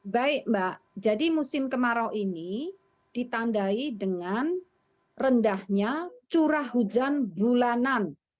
baik mbak jadi musim kemarau ini ditandai dengan rendahnya curah hujan bulanan